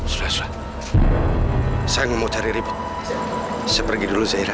sudah sudah saya nggak mau cari ribut saya pergi dulu jahira